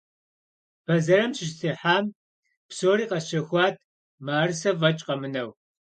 Бэзэрым сыщытехьам, псори къэсщэхуат, мыӏэрысэ фӏэкӏ къэмынэу.